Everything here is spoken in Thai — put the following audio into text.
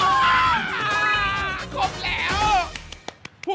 แอบครบแล้ว